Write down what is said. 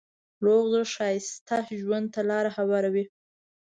روغ زړه ښایسته ژوند ته لاره هواروي.